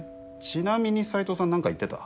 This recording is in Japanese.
ちなみに斎藤さん何か言ってた？